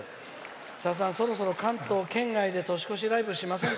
さださん、そろそろ関東圏内で年越しライブしませんか？